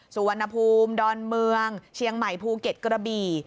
สุวรรณภูมิดอนเมืองเชียงใหม่ภูเก็ตกระบี่